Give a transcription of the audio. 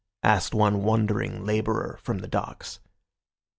asked one wondering labourer from the docks.